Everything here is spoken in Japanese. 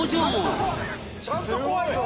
ちゃんと怖いぞ！